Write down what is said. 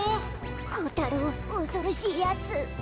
コタロウおそろしいヤツ。